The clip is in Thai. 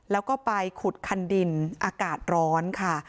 แล้วก็ไปขุดคันดินอากาศร้อนค่ะ